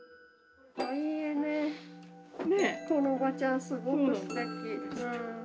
このおばちゃんすごくすてき。